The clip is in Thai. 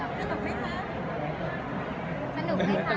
เราสรุปให้คะ